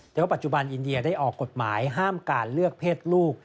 แต่ว่าปัจจุบันอินเดียได้ออกกฎหมายห้ามการเลือกเพศลูก